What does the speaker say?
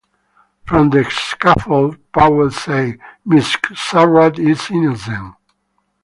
From the scaffold, Powell said, Mrs. Surratt is innocent.